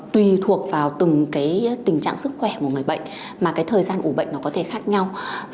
tùy thuộc vào từng tình trạng sức khỏe của người bệnh mà thời gian ủ bệnh có thể khác nhau